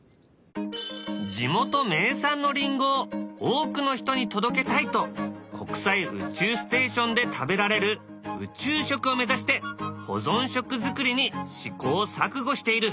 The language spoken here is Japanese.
地元名産のりんごを多くの人に届けたいと国際宇宙ステーションで食べられる宇宙食を目指して保存食作りに試行錯誤している。